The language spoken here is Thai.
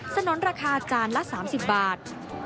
สนุนราคาจานละ๓๐บาท